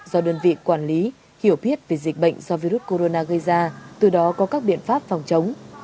do đơn vị quản lý hiểu biết về dịch bệnh do virus corona gây ra từ đó có các biện pháp phòng chống